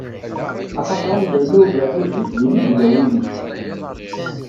Axaṭer anda yella ugerruj-ik, dinna i yella wul-ik.